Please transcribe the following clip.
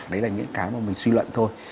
đấy là những cái mà mình suy luận thôi